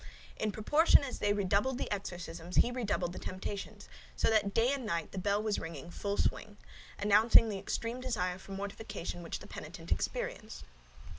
In proportion as they redoubled the exorcisms he redoubled the temptations; so that day and night the bell was ringing full swing, announcing the extreme desire for mortification which the penitent experienced.